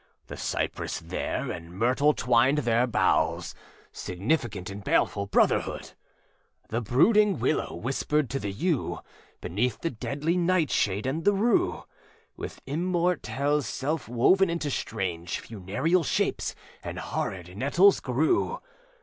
The cypress there and myrtle twined their boughs, Significant, in baleful brotherhood. âThe brooding willow whispered to the yew; Beneath, the deadly nightshade and the rue, With immortelles self woven into strange Funereal shapes, and horrid nettles grew.